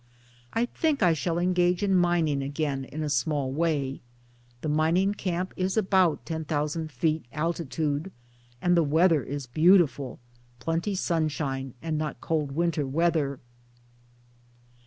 I think I shall engage in mining again in a small way. This mining camp is about 10,000 feet alti tude, and the weather is beautiful, plenty sunshine, and not cold winter weather."